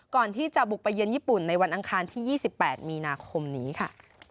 ก่อนที่จะบุกไปเยือนญี่ปุ่นในวันอังคารที่๒๘มีนาคมนี้ค่ะ